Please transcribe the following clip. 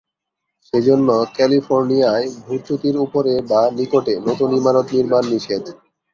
সে জন্য ক্যালিফোর্নিয়ায় ভূ-চ্যুতির উপরে বা নিকটে নতুন ইমারত নির্মাণ নিষেধ।